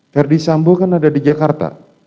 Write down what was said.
verdi sambo kan ada di jakarta